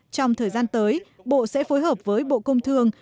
trong thời gian tới bộ sẽ phối hợp với bộ công thương